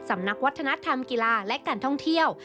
สำนักวัฒนธรรมกีฬาและการท่องเที่ยว